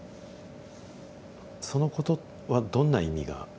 そのことはどんな意味がありますか？